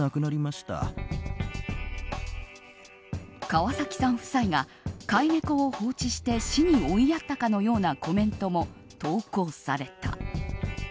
川崎さん夫妻が飼い猫を放置して死に追いやったかのようなコメントも投稿された。